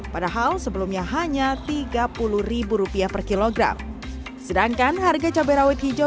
padahal sebelumnya hanya tiga puluh rupiah per kilogram sedangkan harga cabai rawit hijau